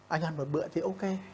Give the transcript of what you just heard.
anh ăn một bữa thì ok